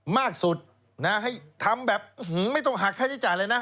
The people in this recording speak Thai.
มากสุดนะให้ทำแบบไม่ต้องหักค่าใช้จ่ายเลยนะ